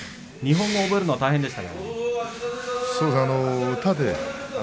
日本語を覚えるのは大変でしたか。